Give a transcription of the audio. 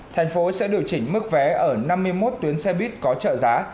thành phố sẽ điều chỉnh mức vé ở năm mươi một tuyến xe buýt có trợ giá